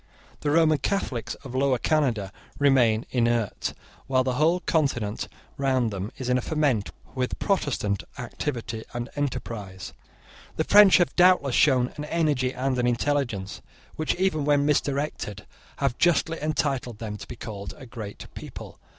The Roman Catholics of Lower Canada remain inert, while the whole continent round them is in a ferment with Protestant activity and enterprise. The French have doubtless shown an energy and an intelligence which, even when misdirected, have justly entitled them to be called a great people.